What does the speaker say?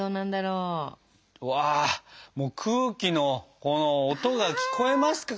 うわもう空気のこの音が聞こえますか？